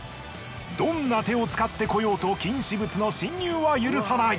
どんな手を使ってこようと禁止物の侵入は許さない。